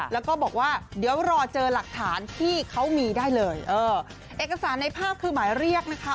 แล้วก็บอกว่าเดี๋ยวรอเจอหลักฐานที่เขามีได้เลยเออเอกสารในภาพคือหมายเรียกนะคะ